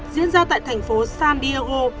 diễn ra tại thành phố san diego